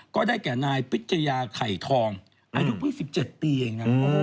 ก็ได้แก่นายพิชยาไข่ทองอายุเพิ่ง๑๗ปีเองนะ